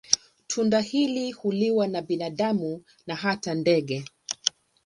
Tunda hili huliwa na binadamu na hata ndege.